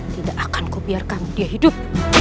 tidak akan kau biarkan dia hidup